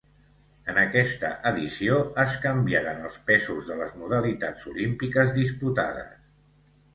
En aquesta edició es canviaren els pesos de les modalitats olímpiques disputades.